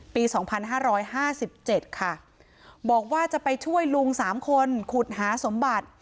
ปี๒๕๕๗ค่ะบอกว่าจะไปช่วยลุง๓คนขุดหาสมบัติ